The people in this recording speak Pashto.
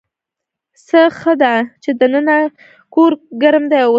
ځه ښه ده چې دننه کور ګرم دی اوسمهال.